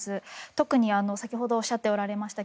特に先ほどおっしゃっていました